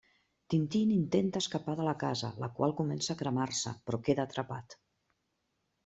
Tintín intenta escapar de la casa la qual comença a cremar-se però queda atrapat.